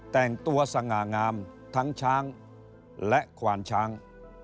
แต่งตัวสง่างามทั้งช้างและควานช้าง